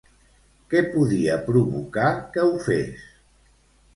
Què podia provocar que ho fes?